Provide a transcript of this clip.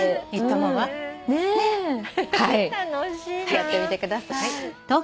やってみてください。